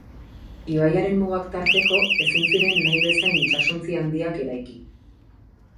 Ibaiaren mugak tarteko, ezin ziren nahi bezain itsasontzi handiak eraiki.